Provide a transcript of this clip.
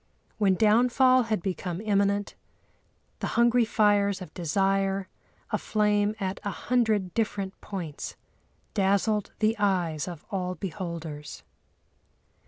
When downfall had become imminent, the hungry fires of desire, aflame at a hundred different points, dazzled the eyes of all beholders.